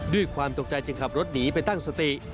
ด้วยความตกใจจึงขับรถหนีไปตั้งสติ